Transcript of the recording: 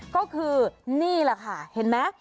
ก็คือนี่แหละค่ะเห็นไหม